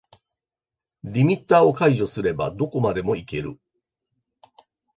リミッターを解除すればどこまでもいける